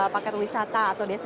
paket wisata atau destinasi wisata